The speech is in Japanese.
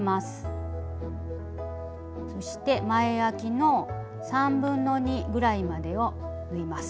そして前あきの2/3ぐらいまでを縫います。